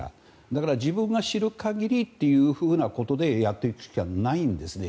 だから自分が知る限りというふうなことでやっていくしかないんですね。